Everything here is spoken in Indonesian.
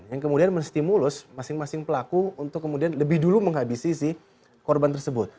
yang kemudian menstimulus masing masing pelaku untuk kemudian lebih dulu menghabisi si korban tersebut